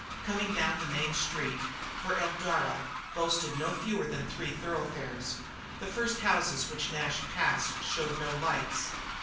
Coming down the main street for Eldara boasted no fewer than three thoroughfares the first houses which Nash passed showed no lights.